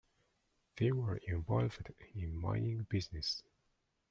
They were involved in mining business.